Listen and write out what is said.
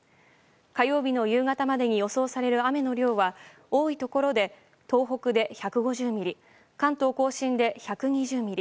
火曜日の夕方までに予想される雨の量は多いところで東北で１５０ミリ関東北部で１２０ミリ